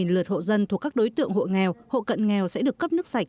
một mươi lượt hộ dân thuộc các đối tượng hộ nghèo hộ cận nghèo sẽ được cấp nước sạch